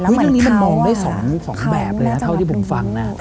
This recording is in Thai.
อันนี้มันมองได้สองแบบเลยนะเท่าที่ผมฟังนะ